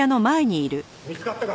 見つかったか？